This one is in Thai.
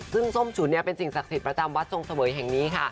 ซึ่งส้มฉุนเป็นสิ่งศักดิ์สิทธิ์ประจำวัดทรงเสวยแห่งนี้ค่ะ